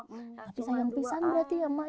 tapi sayang sayang berarti ya mak